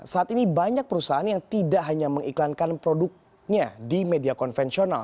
saat ini banyak perusahaan yang tidak hanya mengiklankan produknya di media konvensional